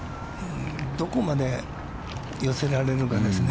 どこまで寄せられるかですね。